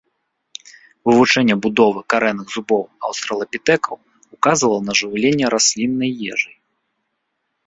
Вывучэнне будовы карэнных зубоў аўстралапітэкаў указвала на жыўленне расліннай ежай.